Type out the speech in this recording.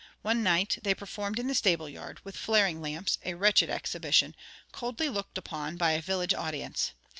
One night they performed in the stable yard, with flaring lamps—a wretched exhibition, coldly looked upon by a village audience.